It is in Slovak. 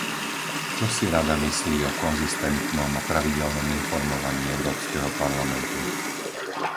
Čo si Rada myslí o konzistentnom a pravidelnom informovaní Európskeho parlamentu?